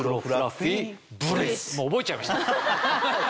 もう覚えちゃいました。